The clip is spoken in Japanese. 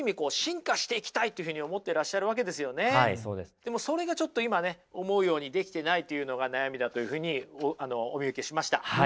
でもそれがちょっと今ね思うようにできていないというのが悩みだというふうにお見受けしました。